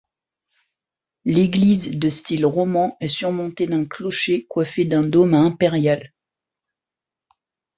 L'église, de style roman, est surmontée d'un clocher coiffé d'un dôme à impériale.